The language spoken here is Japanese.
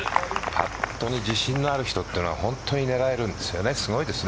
パットに自信がある人は本当に狙えるんですよね